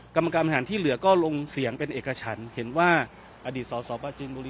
กรรมการบริหารที่เหลือก็ลงเสียงเป็นเอกฉันเห็นว่าอดีตสสปลาจีนบุรี